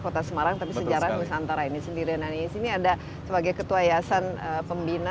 kota semarang tapi sejarah nusantara ini sendiri dan ini ada sebagai ketua yayasan pembina